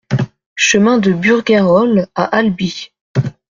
Chemin de Burgayrols à Albi